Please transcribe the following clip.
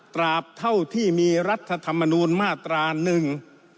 ตราบเท่าที่มีรัฐธรรมนูลมาตราหนึ่ง